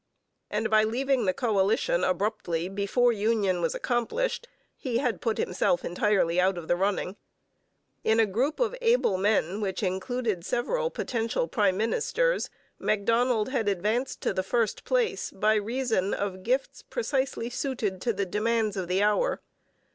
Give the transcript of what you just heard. And by leaving the coalition abruptly before union was accomplished he had put himself entirely out of the running. In a group of able men which included several potential prime ministers Macdonald had advanced to the first place by reason of gifts precisely suited to the demands of the hour.